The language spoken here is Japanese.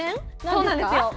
そうなんですよ。